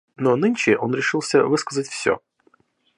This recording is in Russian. Но нынче он решился высказать всё.